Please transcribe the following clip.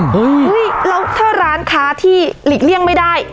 เฮ้ยแล้วถ้าร้านค้าที่หลีกเลี่ยงไม่ได้